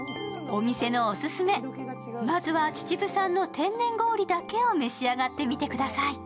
お店のオススメ、まずは秩父産の天然氷だけを召し上がってみてください。